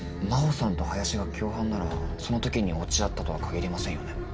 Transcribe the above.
真帆さんと林が共犯ならその時に落ち合ったとは限りませんよね。